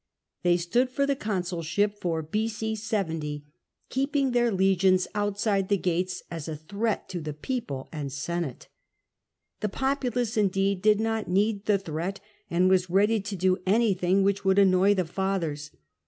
They stood for the consul ship for B.O. 70, keeping their legions outside the gates as a threat to people and Senate. The populace, indeed, did not need the threat, and was ready to do anything which would annoy the Fathers.